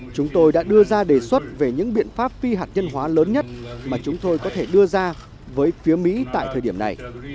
chúng tôi đã đưa ra đề xuất về những biện pháp phi hạt nhân hóa lớn nhất mà chúng tôi có thể đưa ra với phía mỹ tại thời điểm này